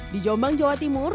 di jombang jawa timur